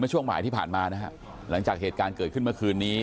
เมื่อช่วงใหม่ที่ผ่านมานะครับหลังจากเหตุการณ์เกิดขึ้นเมื่อคืนนี้